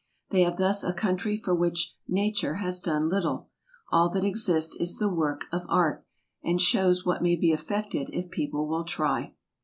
They have thus a country HOLLAND. 81 for which nature has done little; all that exists is the work of art, and shews what may be effected if people will try.